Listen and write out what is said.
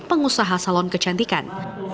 pengusaha salon kecantikan